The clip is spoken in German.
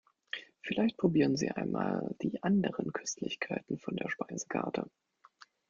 Vielleicht probieren Sie einmal die anderen Köstlichkeiten von der Speisekarte.